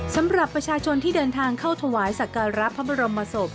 สำหรับประชาชนที่เดินทางเข้าถวายสักการะพระบรมศพ